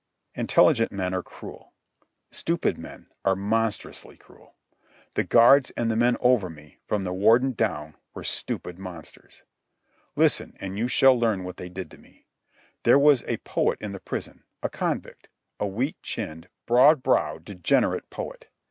Intelligent men are cruel. Stupid men are monstrously cruel. The guards and the men over me, from the Warden down, were stupid monsters. Listen, and you shall learn what they did to me. There was a poet in the prison, a convict, a weak chinned, broad browed, degenerate poet.